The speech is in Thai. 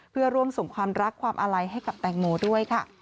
เพื่อร่วมส่งความรักความอาลัยให้กับแตงโมด้วยค่ะ